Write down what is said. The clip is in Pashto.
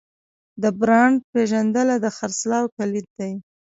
د برانډ پیژندنه د خرڅلاو کلید دی.